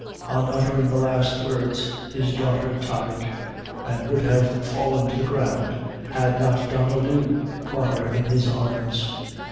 On uttering the last words, his daughter tottered, and would have fallen to the ground, had not Donnel Dhu caught her in his arms.